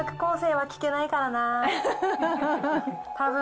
はい。